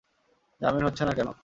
জামিন হচ্ছে না কেন?